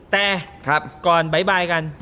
แต่ก่อนบ๊ายบายกัน